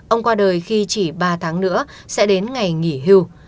ông qua đời khi chỉ ba tháng nữa sẽ đến ngày nghỉ hưu